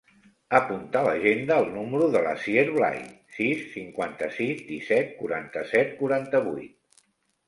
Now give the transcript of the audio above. Apunta a l'agenda el número de l'Asier Blay: sis, cinquanta-sis, disset, quaranta-set, quaranta-vuit.